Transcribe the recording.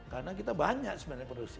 karena kita banyak sebenarnya produksi